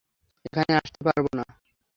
এখানে আসতে পারব না?